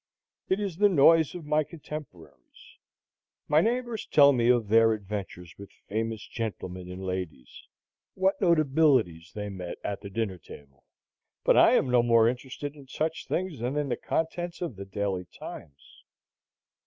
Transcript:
It is the noise of my contemporaries. My neighbors tell me of their adventures with famous gentlemen and ladies, what notabilities they met at the dinner table; but I am no more interested in such things than in the contents of the Daily Times.